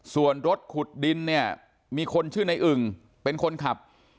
ส่วนรถขุดดินเนี่ยมีคนชื่อในอึ่งเป็นคนขับ